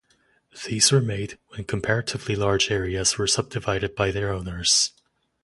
These were made when comparatively large areas were subdivided by their owners.